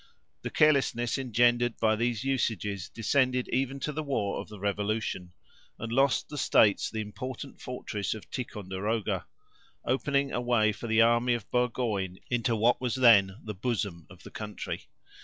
The carelessness engendered by these usages descended even to the war of the Revolution and lost the States the important fortress of Ticonderoga opening a way for the army of Burgoyne into what was then the bosom of the country.